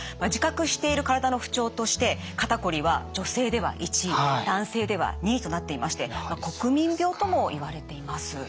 自覚している体の不調として肩こりは女性では１位男性では２位となっていまして国民病ともいわれています。